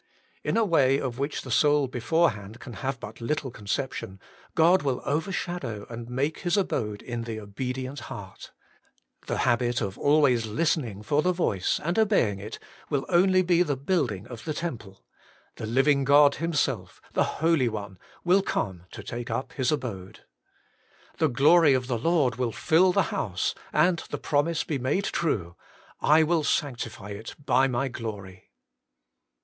In a way of which the soul beforehand can have but little conception, God will overshadow and make His abode in the obedient heart. The habit of always listening for the voice and obeying it will only be the building of the temple : the Living God Himself, the Holy One, will come to take up His abode. The glory of the Lord will fill HOLINESS AND OBEDIENCE. 71 the house, and the promise be made true, ' I will sanctify it by my glory.'